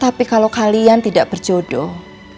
tapi kalau kalian tidak berjodoh